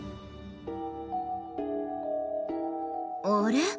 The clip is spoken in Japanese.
あれ？